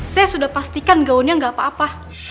saya sudah pastikan gaunnya gak apa apa